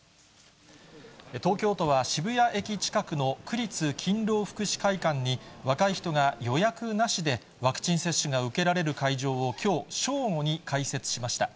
東京都は渋谷駅近くの区立勤労福祉会館に、若い人が予約なしでワクチン接種が受けられる会場を、きょう正午に開設しました。